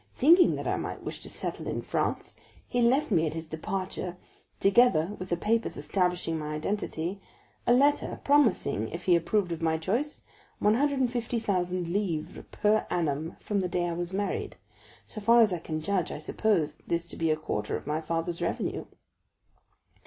Thinking that I might wish to settle in France, he left me at his departure, together with the papers establishing my identity, a letter promising, if he approved of my choice, 150,000 livres per annum from the day I was married. So far as I can judge, I suppose this to be a quarter of my father's revenue."